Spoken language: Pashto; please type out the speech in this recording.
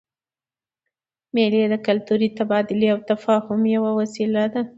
مېلې د کلتوري تبادلې او تفاهم یوه وسیله ده.